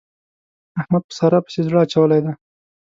احمد په سارا پسې زړه اچولی دی.